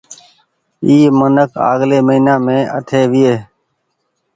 اي منک آگلي مهينآ مين اٺي ويئي۔